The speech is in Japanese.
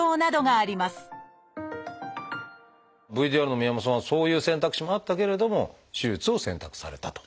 ＶＴＲの宮本さんはそういう選択肢もあったけれども手術を選択されたと。